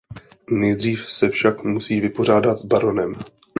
Nejdřív se však musí vypořádat s baronem.